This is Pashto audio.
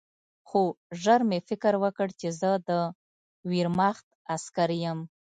خو ژر مې فکر وکړ چې زه د ویرماخت عسکر یم